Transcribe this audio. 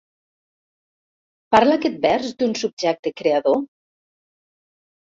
Parla aquest vers d'un subjecte creador?